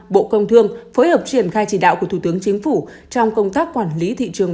bộ công thương phối hợp triển khai chỉ đạo của thủ tướng chính phủ trong công tác quản lý thị trường